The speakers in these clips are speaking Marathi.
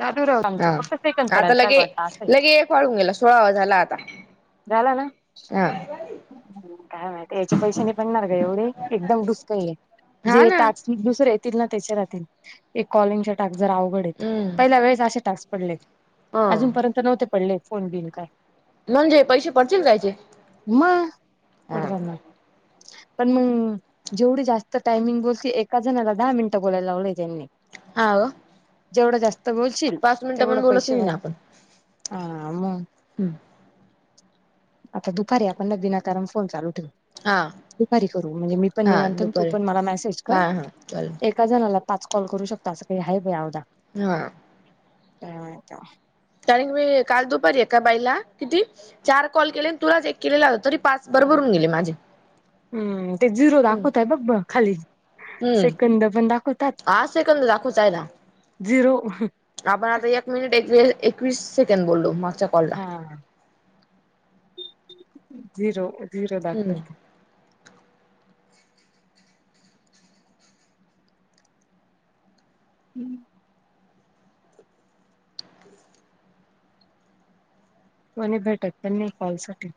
जादूराव आमचे हा फक्त सेकंद आता पडाला काल लगे वाटत असे आहे. लगे एक वाढून गेला सोळावा झाला आता झाला ना. हा कायं माहतीयं याचे पैशै मिळणार का एवढे एकदम डूबतयं हे. हा जे ना टाासिक दुसरे. तील ना त्याच्या राहतील एक कॉलिंग च्या टास्क जरा अवघडेत हम्म पहिल्या वेळेस असे टास्क पडलेत. ह अजूनपर्यंत नव्हते पडले फोन बिन कायं. म्हणजे पैसे पडतील कायचे मगं हा कट झाला. पण मगं जेवढी जास्त टाइमिंग बोलते एका जणाला दहा मिनटं बोलायला लावले त्यांनी. हा जेवढं जास्त बोलशील पाच मिनिटं पण तेवढं बोलत पैसे वाढतील हा. मग हम्म. आता दुपारी ना आपण विनाकारण फोन चालू हा ठेव- दुपारी म्हणजे मी पण हा निवांत तू दुपारी पण मला मेसेज कर हा हा चालेल एका जणाला. पाच कॉल करू शकता असं काही आहे अवदा. हा. [inaudible] कारण मी काल दुपारी एका बाईला किती चार कॉल केले तुलाच एक केलेला होता तरी पाच. भरभरून गेले माझे. हम्म ते झिरो दाखवतयं बघ ब खाली. हम्म सेकंद पण दाखवतात आसं एकांद दाखवचा आहेला. झिरो आपण आता एक मिनिट एक वस- एकवीस सेकंड बोललो मागच्या कॉलला. हा झिरो झिरो हम्म दाखवतं. हम्म. म्हणे भेटत पण नाही कॉल साठी.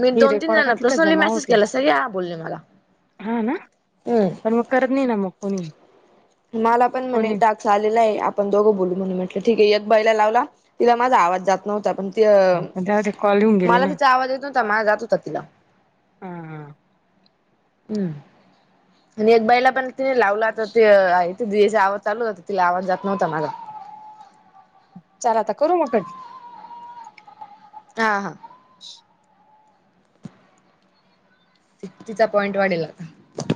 मी हे दोन तीन रेकॉर्ड का जणांना तिथं पर्सनली जमा मेसेज होते केला. सगळे हा बोलले मला. हा ना पण हम्म मगं करतं नाही ना मगं. मला पण म्हणे टाकसा आलेला आहे आपण दोघं बोलू म्हणून म्हट- ठीक आहे एक पहिला लावला तिला माझा आवाज जात नव्हता पणं. हा पण जाऊदे कॉल येऊन ती गेले मला ना तिचा आवाज येतं नव्हता मीझा जात होता तिला. हम. हम्म. आणि एक बाईला पण तिने लावला आता ते आवाज चालू हो तिला आवाज जात नव्हता माझा. चला आता करू मगं कधी. हा हा. [unintelligible] तिचा पॉइंट वाढेलं आता.